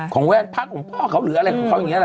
ของแหวนพระของพ่อเขาหรืออะไรของเขาอย่างนี้ล่ะ